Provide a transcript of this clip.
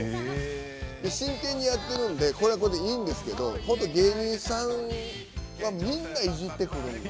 真剣にやっているのでいいんですけど本当に芸人さんはみんないじってくるんです。